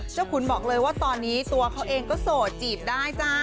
ขุนบอกเลยว่าตอนนี้ตัวเขาเองก็โสดจีบได้จ้า